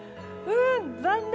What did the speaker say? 残念！